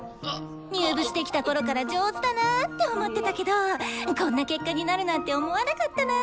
入部してきたころから上手だなって思ってたけどこんな結果になるなんて思わなかったな。